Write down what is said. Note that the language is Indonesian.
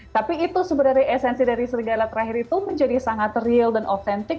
tapi itu sebenarnya esensi dari serigala terakhir itu menjadi sangat real dan autentik